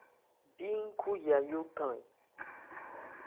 Bí nkhú Yayó than ɛ ?